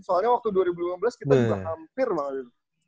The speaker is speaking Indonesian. soalnya waktu dua ribu lima belas kita udah hampir banget gitu